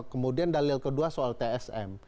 kemudian dalil kedua soal tsm